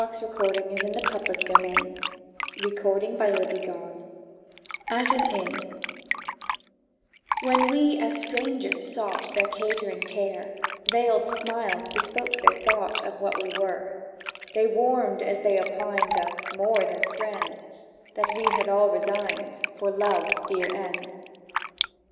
Rest shall we. [Picture: Sketch of inside of church] AT AN INN WHEN we as strangers sought Their catering care, Veiled smiles bespoke their thought Of what we were. They warmed as they opined Us more than friends— That we had all resigned For love's dear ends.